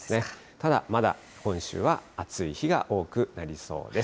ただ、まだ今週は暑い日が多くなりそうです。